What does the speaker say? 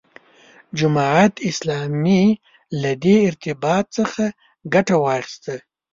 جماعت اسلامي له دې ارتباط څخه ګټه واخیسته.